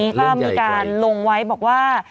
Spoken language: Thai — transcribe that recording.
เรื่องใหญ่ไกลก็มีการลงไว้บอกว่า